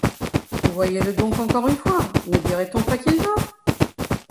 Voyez-le donc encore une fois : ne dirait-on pas qu’il dort ?